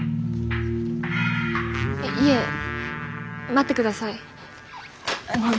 いえ待って下さい。